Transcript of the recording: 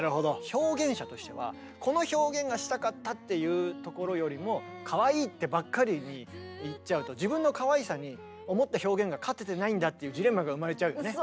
表現者としてはこの表現がしたかったっていうところよりも「かわいい」ってばっかりにいっちゃうと自分のかわいさに思った表現が勝ててないんだっていうジレンマが生まれちゃうよね。